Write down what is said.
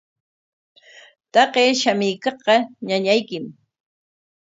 Taqay shamuykaqqa ñañaykim.